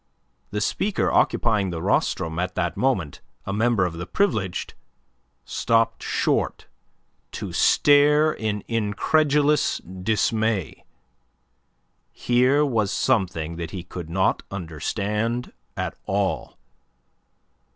The speaker occupying the rostrum at that moment a member of the Privileged stopped short to stare in incredulous dismay. Here was something that he could not understand at all.